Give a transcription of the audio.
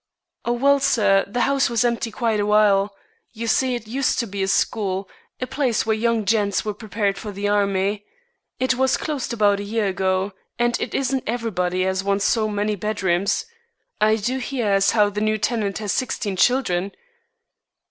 "Well, sir, the house was empty quite a while. You see it used to be a school, a place where young gents were prepared for the army. It was closed about a year ago, and it isn't everybody as wants so many bedrooms. I do hear as how the new tenant has sixteen children."